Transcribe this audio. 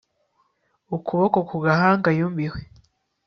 Ukuboko ku gahanga yumiwe